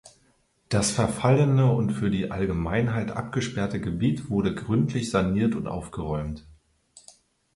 Das verfallene und für die Allgemeinheit abgesperrte Gebiet wurde gründlich saniert und aufgeräumt.